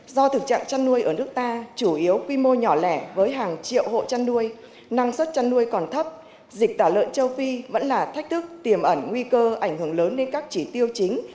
do thực trạng chăn nuôi ở nước ta chủ yếu quy mô nhỏ lẻ với hàng triệu hộ chăn nuôi năng suất chăn nuôi còn thấp dịch tả lợn châu phi vẫn là thách thức tiềm ẩn nguy cơ ảnh hưởng lớn đến các chỉ tiêu chính